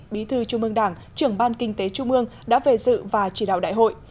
bí thư trung ương đảng trưởng ban kinh tế trung ương đã về dự và chỉ đạo đại hội